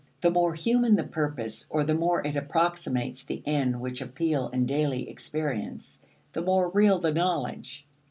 The more human the purpose, or the more it approximates the ends which appeal in daily experience, the more real the knowledge.